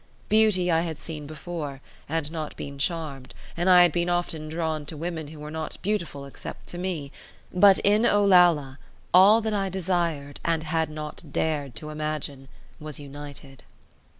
Beauty I had seen before, and not been charmed, and I had been often drawn to women, who were not beautiful except to me; but in Olalla all that I desired and had not dared to imagine was united.